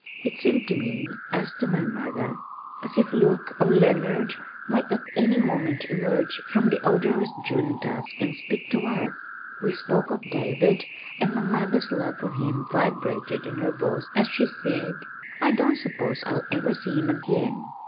It seemed to me (as to my mother) as if Luke or Leonard might at any moment emerge from the odorous June dusk and speak to us. We spoke of David, and my mother's love for him vibrated in her voice as she said, "I don't suppose I'll ever see him again.